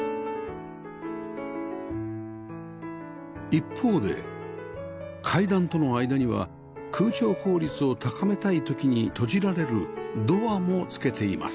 一方で階段との間には空調効率を高めたい時に閉じられるドアも付けています